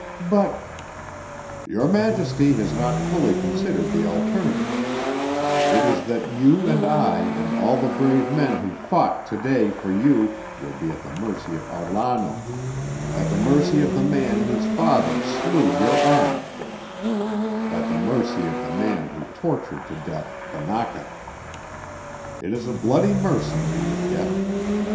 "But " "Your Majesty has not fully considered the alternative; it is that you and I and all the brave men who fought to day for you will be at the mercy of Arlano, at the mercy of the man whose father slew your aunt, at the mercy of the man who tortured to death Banaca. It is a bloody mercy we would get.